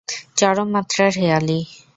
চরম মাত্রার হেঁয়ালি!